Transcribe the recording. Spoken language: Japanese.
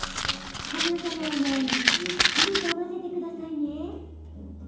焦がさないようにゆっくりと混ぜてくださいね。